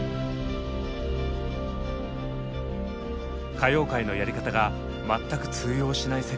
歌謡界のやり方が全く通用しない世界。